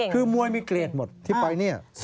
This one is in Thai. ก็แสดงว่าเก่ง